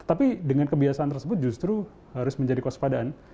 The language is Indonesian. tetapi dengan kebiasaan tersebut justru harus menjadi kosepadaan